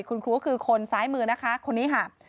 คุณครูก็คือคนซ้ายมือคนนี้ค่ะ